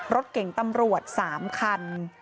รถเก่งตำรวจ๓คัน